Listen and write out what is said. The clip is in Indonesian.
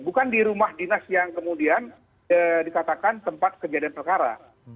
bukan di rumah dinas yang kemudian dikatakan tempat kejadian perkara